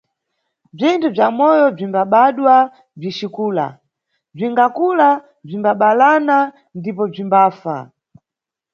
Bzinthu bza moyo bzimbabadwa bzicikula, bzingakula, bzimbabalana ndipo bzimbafa.